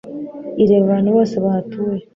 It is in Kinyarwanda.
Ireba abantu bose bahatuye